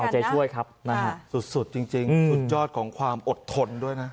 ใจช่วยครับนะฮะสุดจริงสุดยอดของความอดทนด้วยนะ